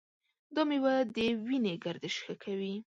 دا میوه د وینې گردش ښه کوي.